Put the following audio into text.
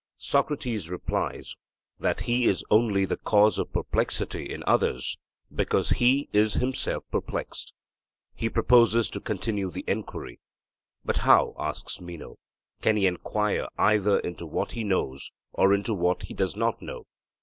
Socrates replies that he is only the cause of perplexity in others, because he is himself perplexed. He proposes to continue the enquiry. But how, asks Meno, can he enquire either into what he knows or into what he does not know?